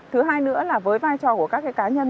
thứ hai nữa là với vai trò của các cái cá nhân